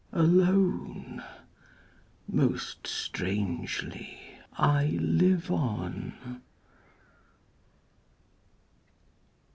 Alone, most strangely, I live on.